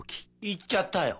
行っちゃったよ。